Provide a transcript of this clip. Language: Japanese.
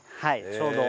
ちょうど。